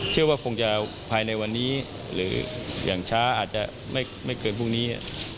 เชื่อว่าคงจะภายในวันนี้หรืออย่างช้าอาจจะไม่เกินพรุ่งนี้